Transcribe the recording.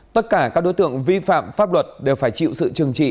tất cả các đối tượng vi phạm pháp luật đều phải chịu sự trừng trị